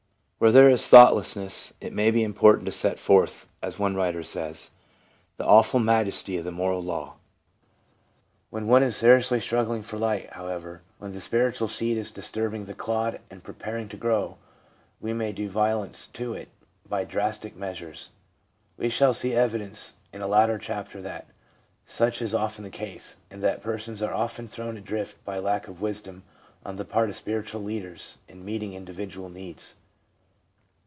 Where there is thoughtlessness, it may be important to set forth, as one writer says, ' the THE MENTAL AND BODILY AFFECTIONS 89 awful majesty of the moral law.' When one is seriously struggling for light, however, when the spiritual seed is disturbing the clod and preparing to grow, we may do violence to it by drastic measures. We shall see evidence in a later chapter that such is often the case, and that persons are often thrown adrift by lack of wisdom on the part of spiritual leaders in meeting individual needs.